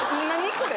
これ。